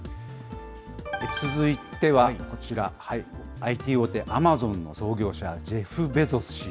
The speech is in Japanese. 続いてはこちら、ＩＴ大手、アマゾンの創業者、ジェフ・ベゾス氏。